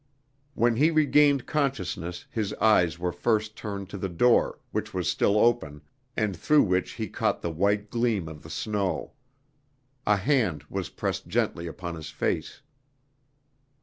When he regained consciousness his eyes were first turned to the door, which was still open, and through which he caught the white gleam of the snow. A hand was pressed gently upon his face.